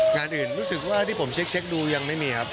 งานอื่นรู้สึกว่าที่ผมเช็คดูยังไม่มีครับ